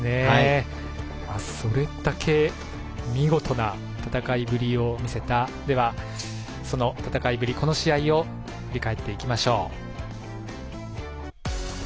それだけ見事な戦いぶりを見せたその戦いぶり、この試合を振り返っていきましょう。